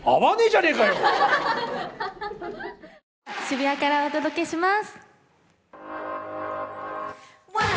渋谷からお届けします。